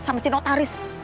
sama si notaris